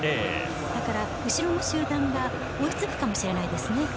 だから、後ろの集団が追いつくかもしれないですね。